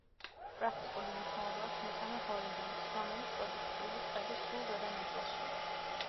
პრაქტიკული მნიშვნელობა აქვს მესამე ჰორიზონტს, რომელიც პროდუქტიული წყების სულ ზედა ნაწილშია.